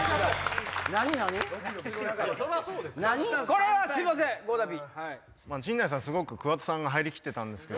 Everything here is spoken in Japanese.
これはすいません合田Ｐ。